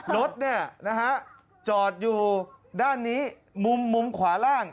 รถจอดอยู่ด้านนี้มุมขวาล่าง